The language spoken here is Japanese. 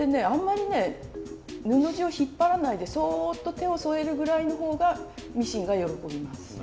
あんまりね布地を引っ張らないでそっと手を添えるぐらいの方がミシンが喜びます。